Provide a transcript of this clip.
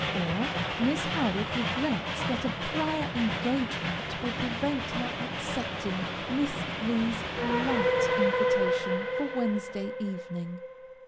or, Miss Howard regrets that a prior engagement will prevent her accepting Miss Lee's polite invitation for Wednesday evening.